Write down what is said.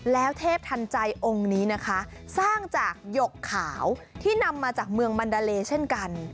แล้วเทพทันใจองค์นี้นะคะสร้างจากหยกขาวที่นำมาจากเมืองมันดาเลเช่นกัน